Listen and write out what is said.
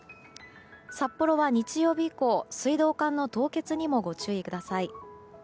札幌は日曜日以降水道管の凍結にもご注意ください。